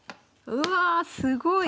うわすごい！